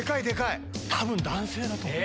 多分男性だと思う。